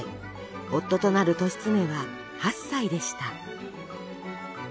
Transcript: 夫となる利常は８歳でした。